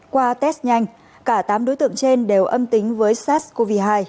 qua test nhanh cả tám đối tượng trên đều âm tính với sars cov hai